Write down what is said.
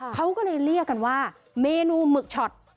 เขาก็เลยเรียกกันว่าเมนูหมึกช็อต